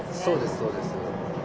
そうですそうです。